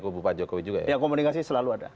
komunikasi selalu ada